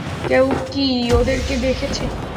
কেউ কি ওদেরকে দেখেছে?